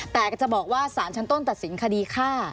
แต่จะบอกว่าสารชั้นต้นตัดสินคดีฆ่า